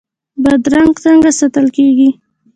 بادرنګ څنګه ساتل کیږي؟